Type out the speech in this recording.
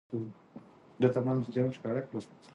نورستان د افغان ځوانانو لپاره دلچسپي لري.